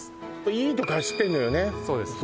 いいとこ走ってんのよね